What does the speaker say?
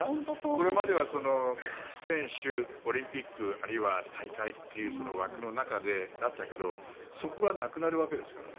これまでは選手、オリンピックあるいは大会という枠の中だったけれどそこがなくなるわけですから。